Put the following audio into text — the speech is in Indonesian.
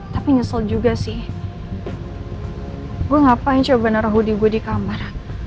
tapi nyesel juga sih gue ngapain coba naruh hoodi gue di kamar